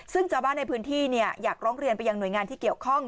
ซึ่งชาวบ้านในพื้นที่อยากร้องเรียนไปยังหน่วยงานที่เกี่ยวข้อง